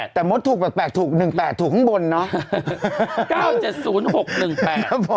แต่มดถูกแปลกถูก๑๘ถูกข้างบนเนาะ